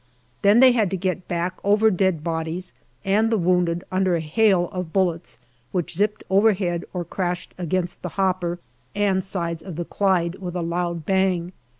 Then they had to get back over dead bodies and the wounded under a hail of bullets, which zipped overhead or crashed against the hopper and sides of the Clyde with a loud bang.